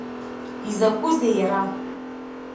Изакәызеи иара?